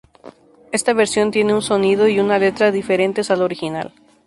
Esta versión tiene un sonido y una letra diferentes al original.